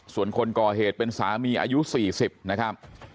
ส่วนคนก่อเหตุเป็นสามีอายุ๔๐นะครับ